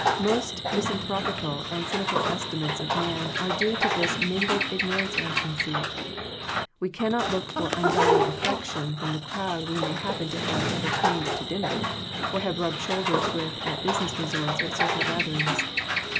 Most mis* anthropical and cynical estimates of man are due to this mingled ignorance and conceit. We cannot look for undying affection from the crowd we may happen to have entertained to dinner, or have rubbed shoulders with at business resorts or at social gatherings.